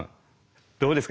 どうですか